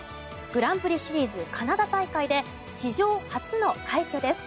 グランプリシリーズカナダ大会で史上初の快挙です。